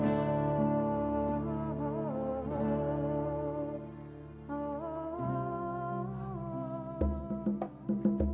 tapi harusnya diperiksa aja dulu